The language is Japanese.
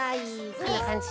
こんなかんじ。